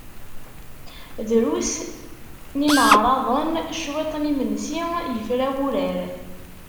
Drus n yineɛraḍen, cwiṭ n yimensi, yefra wurar.